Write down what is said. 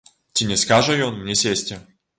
Ці не скажа ён мне сесці.